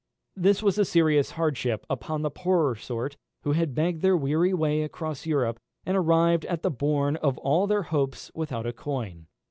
This was a serious hardship upon the poorer sort, who had begged their weary way across Europe, and arrived at the bourne of all their hopes without a coin.